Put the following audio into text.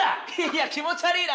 いや気持ち悪いな。